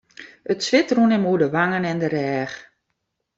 It swit rûn him oer de wangen en de rêch.